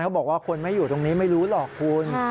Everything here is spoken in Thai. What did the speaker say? บอกว่าคนไม่อยู่ตรงนี้ไม่รู้หรอกคุณ